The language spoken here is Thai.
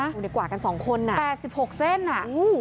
ดูดีกว่ากันสองคนแปดสิบหกเส้นน่ะ